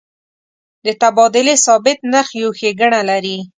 د تبادلې ثابت نرخ یو ښیګڼه لري.